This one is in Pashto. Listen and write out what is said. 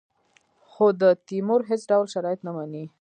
خو د تیمور هېڅ ډول شرایط نه مني.